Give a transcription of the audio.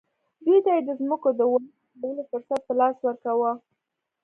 دوی ته یې د ځمکو د ولکه کولو فرصت په لاس ورکاوه.